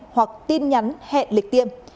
hoặc tin nhắn hẹn lịch tiêm